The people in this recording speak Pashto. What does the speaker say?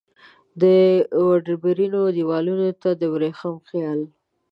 وډبرینو دیوالونو ته د وریښم خیال